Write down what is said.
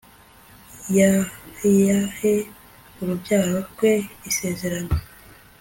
yayahe urubyaro rwe isezerano